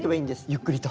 ゆっくりと。